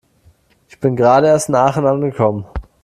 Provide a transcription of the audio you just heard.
Ich bin gerade erst in Aachen angekommen